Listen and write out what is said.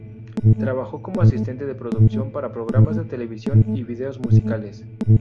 Trabajó como asistente de producción para programas de televisión y videos musicales.